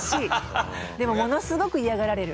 でもものすごく嫌がられる。